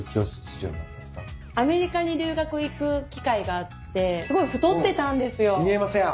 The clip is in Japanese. アメリカに留学行く機会があってすごい太ってたんですよ。